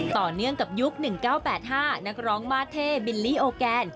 ต่อเนื่องกับยุค๑๙๘๕นักร้องมาเท่บิลลี่โอแกน